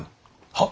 はっ！